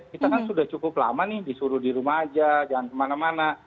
kita kan sudah cukup lama nih disuruh di rumah aja jangan kemana mana